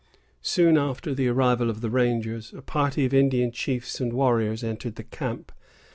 Soon after the arrival of the rangers, a party of Indian chiefs and warriors entered the camp.